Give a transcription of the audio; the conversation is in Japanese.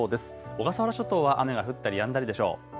小笠原諸島は雨が降ったりやんだりでしょう。